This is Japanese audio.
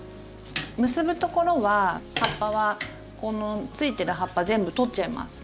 結ぶところは葉っぱはこのついてる葉っぱ全部取っちゃいます。